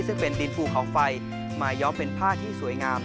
ซึ่งเป็นดินภูเขาไฟมาย้อมเป็นผ้าที่สวยงาม